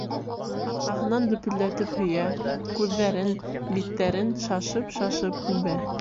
Арҡаһынан дөпөлдәтеп һөйә, күҙҙәрен, биттәрен шашып-шашып үбә...